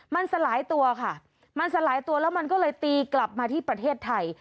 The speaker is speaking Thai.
มันสลายตัวค่ะมันสลายตัวแล้วมันก็เลยตีกลับมาที่ประเทศไทย